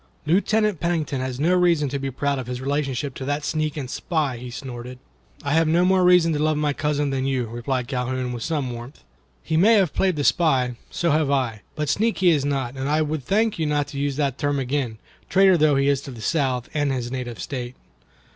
"Lieutenant Pennington has no reason to be proud of his relationship to that sneak and spy," he snorted. "I have no more reason to love my cousin than you," replied Calhoun, with some warmth. "He may have played the spy; so have I; but sneak he is not, and I would thank you not to use the term again, traitor though he is to the South and his native state."